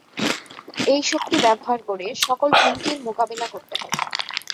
এই শক্তি ব্যবহার করে সকল হুমকির মোকাবিলা করতে হবে।